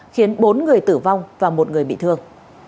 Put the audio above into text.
khiến bốn người tử vong và một người bị thương